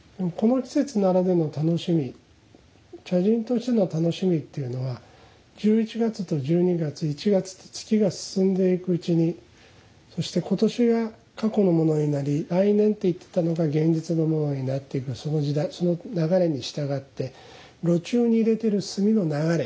茶人としての楽しみっていうのは１１月と１２月１月と月が進んでいくうちにそして今年が過去のものになり来年といってたのが現実のものになっていくその時代その流れに従って炉中に入れてる炭の流れ